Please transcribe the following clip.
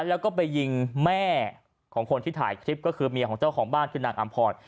แล้วก็ไปยิงแม่ของคนที่ถ่ายคลิปก็คือเมียของเจ้าของบ้านคือนางอำพร